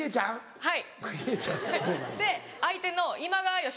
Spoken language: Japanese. はい。